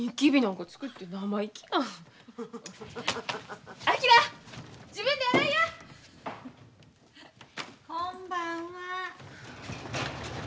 こんばんは。